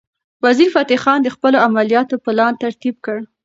وزیرفتح خان د خپلو عملیاتو پلان ترتیب کړ.